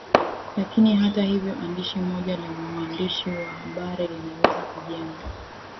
lakini hata hivyo andishi moja la mwandishi wa habari linaweza kujenga